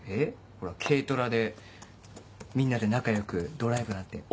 ほら軽トラでみんなで仲良くドライブなんて乙じゃない？